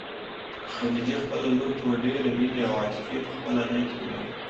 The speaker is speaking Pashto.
خدیجې خپله لور په ډېرې مینې او عاطفې په خپله غېږ کې ونیوله.